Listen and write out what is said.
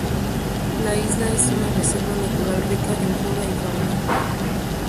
La isla es una reserva natural rica en flora y fauna.